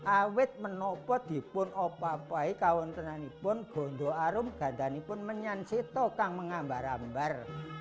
awet menopo dipun opa opai kawantinan ipun gondo arum gandani pun menyansi tokong mengambar ambar